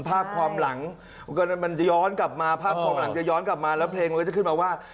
ภาคความหลังจะย้อนกลับมาและเพลงจะขึ้นมาว่า